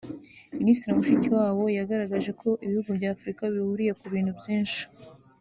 Minisitiri Mushikiwabo yagaragaje ko ibihugu bya Afurika bihuriye ku bintu byinshi